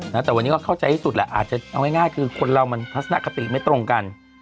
แต่วันนี้ก็เข้าใจที่สุดแหละอาจจะเอาง่ายคือคนเรามันทัศนคติไม่ตรงกัน